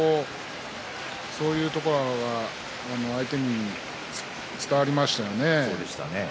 そういうところが相手に伝わりましたよね。